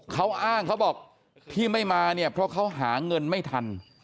เขาอ้างเขาบอกที่ไม่มาเนี่ยเพราะเขาหาเงินไม่ทัน